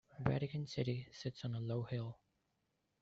Vatican City sits on a low hill.